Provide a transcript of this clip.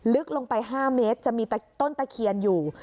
ลึกลงไป๕เมตรจะมีต้นตะเคียนอยู่